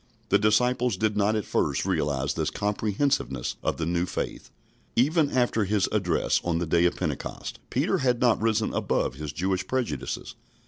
The disciples did not at first realise this comprehensiveness of the new faith. Even after his address on the day of Pentecost, Peter had not risen above his Jewish prejudices.